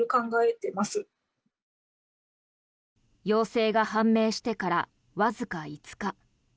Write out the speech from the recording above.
陽性が判明してからわずか５日。